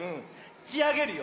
しあげるよ。